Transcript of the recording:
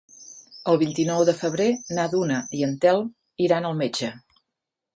El vint-i-nou de febrer na Duna i en Telm iran al metge.